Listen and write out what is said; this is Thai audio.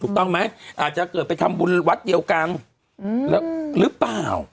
ถูกต้องไหมอาจจะเกิดไปทำบุญวัดเดียวกันหรือเปล่า